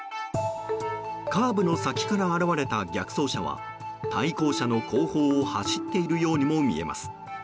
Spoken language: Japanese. カーブの先から現れた逆走車は対向車の後方を走っているようにも見えます。